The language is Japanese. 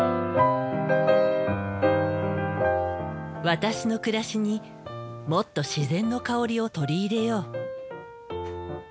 私の暮らしにもっと自然の香りを取り入れよう。